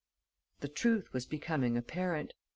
The truth was becoming apparent.